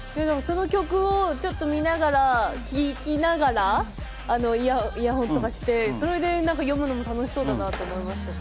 その曲をちょっと見ながら、聴きながら、イヤホンして読むのも楽しそうだなと思いましたね。